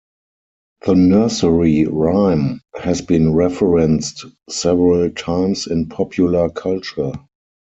The nursery rhyme has been referenced several times in popular culture.